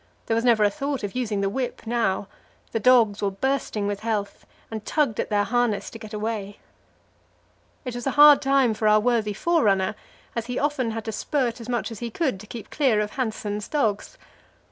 There was never a thought of using the whip now; the dogs were bursting with health, and tugged at their harness to get away. It was a hard time for our worthy forerunner; he often had to spurt as much as he could to keep clear of Hanssen's dogs.